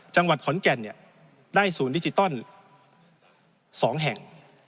จังหวัดขอนแก่นได้ศูนย์ดิจิตอล๒แห่ง